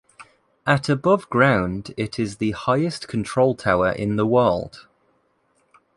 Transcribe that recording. At above ground it is the highest control tower in the world.